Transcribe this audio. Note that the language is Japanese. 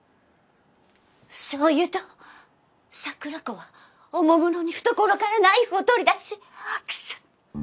そう言うと桜子はおもむろに懐からナイフを取り出しグサッ。